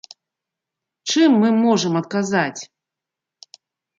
Чым мы можам адказаць?